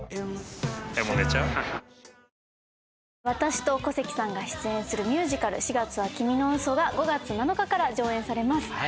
私と小関さんが出演するミュージカル『四月は君の嘘』が５月７日から上演されます。